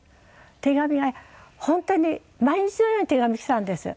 手紙が本当に毎日のように手紙きたんです。